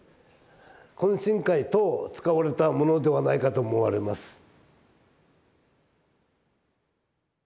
懇親会等使われたものではないかと思われます。